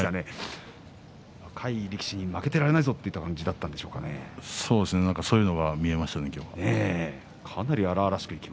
若い力士に負けていられないぞ！というそういうのが見えましたね